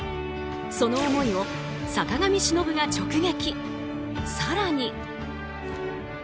その思いを、坂上忍が直撃。